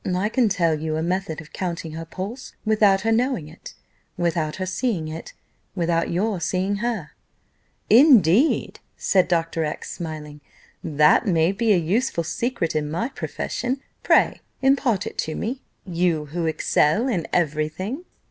"I can tell you a method of counting her pulse, without her knowing it, without her seeing you, without your seeing her." "Indeed!" said Dr. X , smiling; "that may be a useful secret in my profession; pray impart it to me you who excel in every thing."